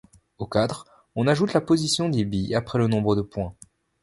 Au cadre, on ajoute la position des billes après le nombre de points.